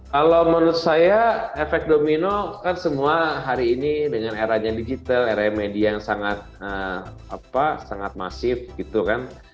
kalau menurut saya efek domino kan semua hari ini dengan eranya digital era media yang sangat masif gitu kan